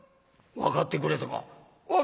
分かってくれたか？